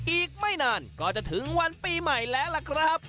อีกไม่นานก็จะถึงวันปีใหม่แล้วล่ะครับ